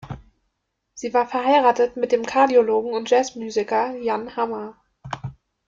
Sie war verheiratet mit dem Kardiologen und Jazzmusiker Jan Hammer.